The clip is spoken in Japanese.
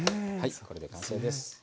これで完成です。